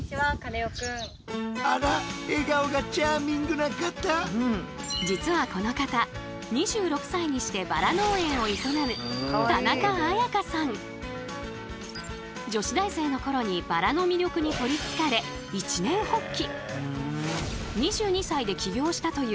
早速実はこの方２６歳にしてバラ農園を営む女子大生の頃にバラの魅力に取りつかれ一念発起。